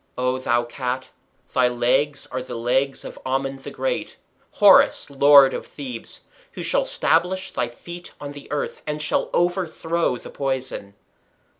O thou Cat, thy legs (or, feet) are the legs of Amen the Great, Horus, Lord of Thebes, who shall stablish thy feet on the earth, and shall overthrow the poison.